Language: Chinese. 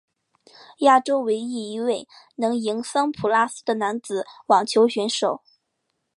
亚洲唯一一位能赢桑普拉斯的男子网球选手。